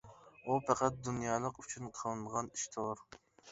ئۇ پەقەت دۇنيالىق ئۈچۈن قىلىنغان ئىشتۇر.